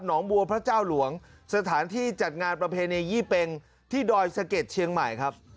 งบัวพระเจ้าหลวงสถานที่จัดงานประเพณียี่เป็งที่ดอยสะเก็ดเชียงใหม่ครับ